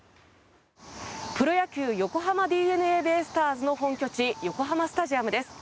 プロ野球横浜ＤｅＮＡベイスターズの本拠地、横浜スタジアムです。